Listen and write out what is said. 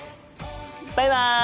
バイバイ！